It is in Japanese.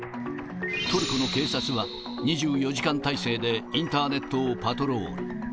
トルコの警察は２４時間態勢でインターネットをパトロール。